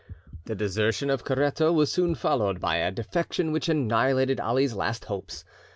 The desertion of Caretto was soon followed by a defection which annihilated Ali's last hopes.